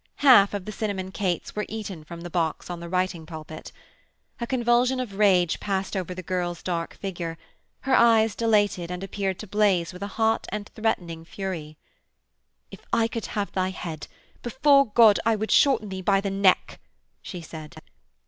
Half of the cinnamon cates were eaten from the box on the writing pulpit. A convulsion of rage passed over the girl's dark figure; her eyes dilated and appeared to blaze with a hot and threatening fury. 'If I could have thy head, before God I would shorten thee by the neck!' she said.